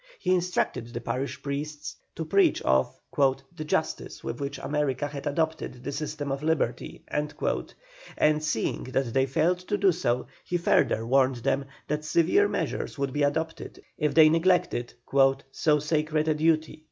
He instructed the parish priests to preach of "the justice with which America had adopted the system of liberty"; and seeing that they failed to do so, he further warned them that severe measures would be adopted if they neglected "so sacred a duty."